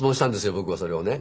僕はそれをね。